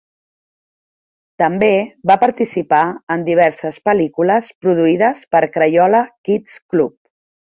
També va participar en diverses pel·lícules produïdes per Crayola Kid's Club.